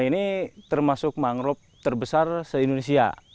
ini termasuk mangrove terbesar se indonesia